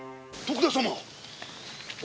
徳田様。